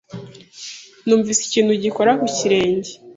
Numvise ikintu gikora ku kirenge.